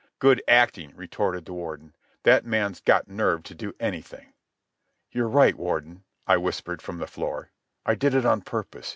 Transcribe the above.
"Good acting," retorted the Warden. "That man's got nerve to do anything." "You're right, Warden," I whispered from the floor. "I did it on purpose.